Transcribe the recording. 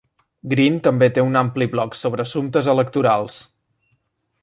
Green també té un ampli blog sobre assumptes electorals.